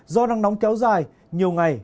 do nắng nóng kéo dài nhiều ngày